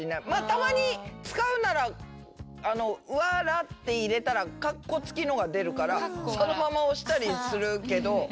たまに使うなら「わら」って入れたらかっこ付きのが出るからそのまま押したりするけど。